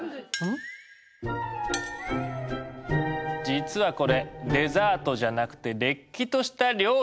実はこれデザートじゃなくてれっきとした料理。